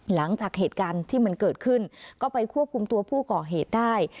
หลังจากเหตุการณ์ที่มันเกิดขึ้นก็ไปควบคุมตัวผู้ก่อเหตุได้